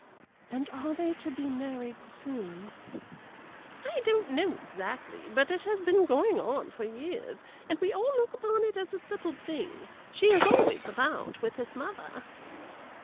"And are they to be married soon?" "I don't know exactly; but it has been going on for years, and we all look upon it as a settled thing. She is always about with his mother."